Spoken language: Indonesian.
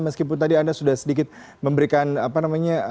meskipun tadi anda sudah sedikit memberikan apa namanya